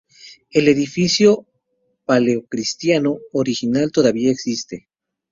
El edificio paleocristiano original todavía existe.